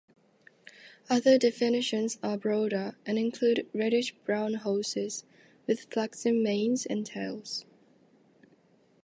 Other definitions are broader and include reddish-brown horses with flaxen manes and tails.